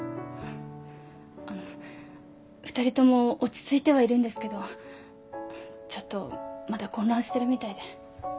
あの２人とも落ち着いてはいるんですけどちょっとまだ混乱してるみたいで。